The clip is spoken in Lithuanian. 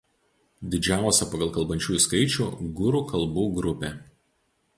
Didžiausia pagal kalbančiųjų skaičių Gurų kalbų grupė.